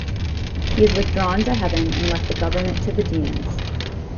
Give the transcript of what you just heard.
He has withdrawn to heaven and left the government to the demons.